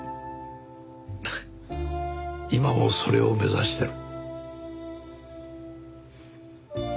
今もそれを目指してる。